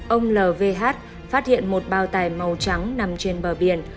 ông lvh phát hiện một bao tải màu trắng nằm trên bờ biển